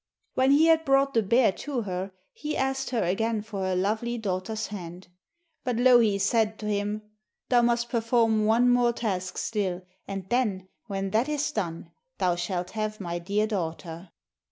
When he had brought the bear to her, he asked her again for her lovely daughter's hand. But Louhi said to him: 'Thou must perform one more task still, and then, when that is done, thou shalt have my dear daughter.